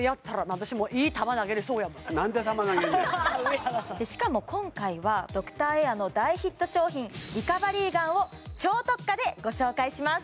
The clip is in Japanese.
私もいい球投げれそうやもんなんで球投げんねんしかも今回はドクターエアの大ヒット商品リカバリーガンを超特価でご紹介します